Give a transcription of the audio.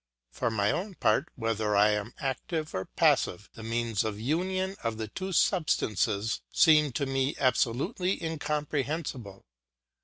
For my own part, whether I am active or passive, the means of union of the two substances seem to me absolutely incomprehensible.